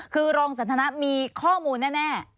คือรองสันทนะมีข้อมูลแน่